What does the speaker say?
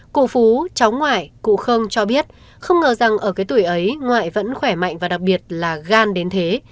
cụ phú cháu ngoại cụ khơm cho biết không ngờ rằng ở cái tuổi ấy ngoại vẫn khỏe mạnh và đặc biệt là gan đến thế